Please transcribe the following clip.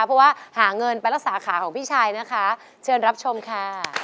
เพราะว่าหาเงินไปรักษาขาของพี่ชายนะคะเชิญรับชมค่ะ